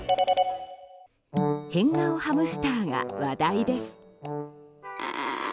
変顔ハムスターが話題です。